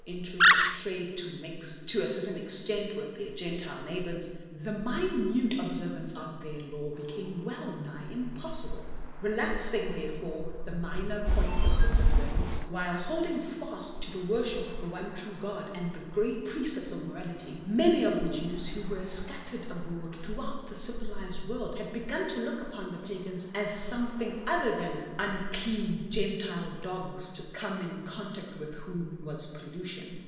PAUL interests of trade to mix to a certain extent with their Gentile neighbours, the minute observance of their Law became wellnigh impossible. Relaxing, therefore, the minor points of this observance, while holding fast to the worship of the one true God and the great precepts of morality, man}^ of the Jevs''s who were scattered abroad throughout the civilized world had begun to look upon the pagans as something other than unclean " Gentile dogs," to come in contact with whom was pollution.